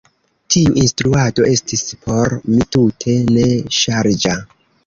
Tiu instruado estis por mi tute ne ŝarĝa.